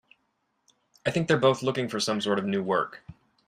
I think they're both looking for some sort of new work.